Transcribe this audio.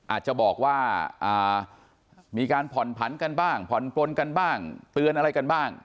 อาจจะบอกว่ามีการผ่อนผันกันบ้างผ่อนปลนกันบ้างเตือนอะไรกันบ้าง